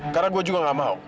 karena gue juga gak mau